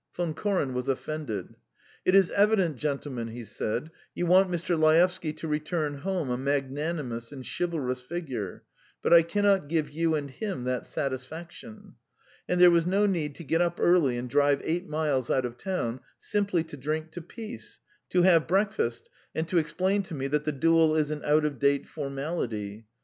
Von Koren was offended. "It is evident, gentlemen," he said, "you want Mr. Laevsky to return home a magnanimous and chivalrous figure, but I cannot give you and him that satisfaction. And there was no need to get up early and drive eight miles out of town simply to drink to peace, to have breakfast, and to explain to me that the duel is an out of date formality.